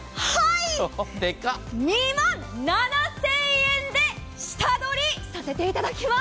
２万７０００円で下取りさせていただきます。